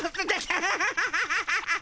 アハハアハハハ！